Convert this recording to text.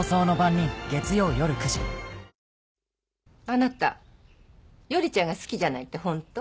あなた依ちゃんが好きじゃないってホント？